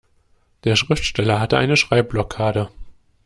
Der Schriftsteller hatte eine Schreibblockade.